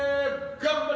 頑張れ！